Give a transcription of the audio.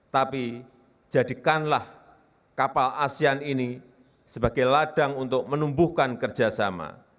tapi jadikanlah kapal asean ini sebagai ladang untuk menumbuhkan kerjasama